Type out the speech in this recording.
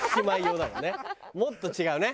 もっと違うね。